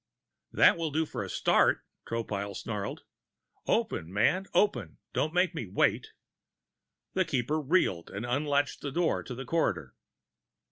"That will do for a start," Tropile snarled. "Open, man, open! Don't make me wait." The Keeper reeled and unlatched the door to the corridor.